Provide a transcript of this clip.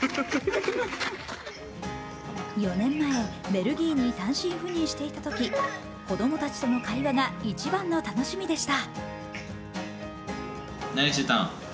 ４年前、ベルギーに単身赴任していたとき、子供たちとの会話が一番の楽しみでした。